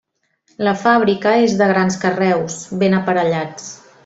La fàbrica és de grans carreus, ben aparellats.